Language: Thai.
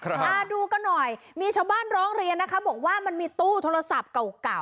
อ่าดูกันหน่อยมีชาวบ้านร้องเรียนนะคะบอกว่ามันมีตู้โทรศัพท์เก่าเก่า